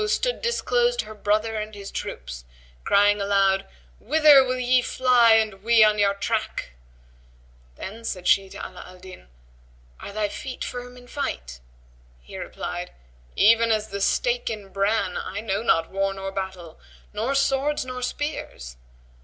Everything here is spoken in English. stood disclosed her brother and his troops, crying aloud, "Whither will ye fly, and we on your track!" Then said she to Ala al Din, "Are thy feet firm in fight?" He replied, "Even as the stake in bran, I know not war nor battle, nor swords nor spears."